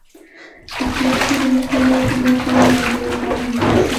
د تېښتې د مخنیوي په موخه ځانګړی قانون جوړ شو.